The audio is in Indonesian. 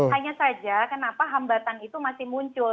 hanya saja kenapa hambatan itu masih muncul